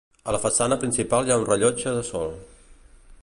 A la façana principal hi ha un rellotge de sol.